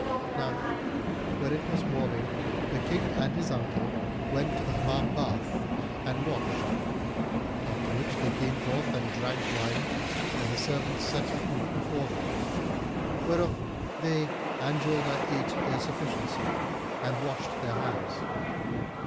Now when it was morning, the King and his uncle went to the Hammam bath and washed, after which they came forth and drank wine and the servants set food before them, whereof they and Julnar ate their sufficiency, and washed their hands.